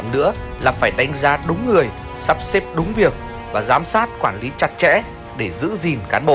đánh giá đúng người sắp xếp đúng việc và giám sát quản lý chặt chẽ để giữ gìn cán bộ